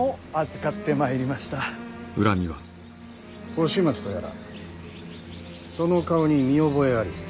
押松とやらその顔に見覚えあり。